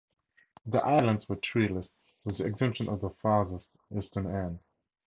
The Islands were treeless with the exemption of the farthest eastern end.